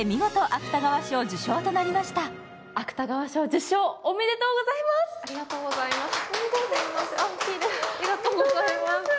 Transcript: ありがとうございます。